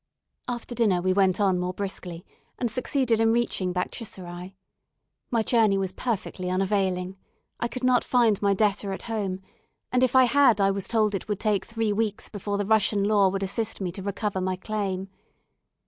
After dinner we went on more briskly, and succeeded in reaching Baktchiserai. My journey was perfectly unavailing. I could not find my debtor at home, and if I had I was told it would take three weeks before the Russian law would assist me to recover my claim.